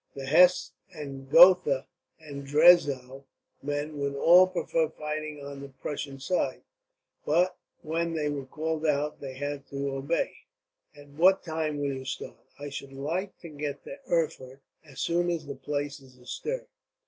The Hesse and Gotha and Dessau men would all prefer fighting on the Prussian side, but when they were called out they had to obey. "At what time will you start?" "I should like to get to Erfurt as soon as the place is astir."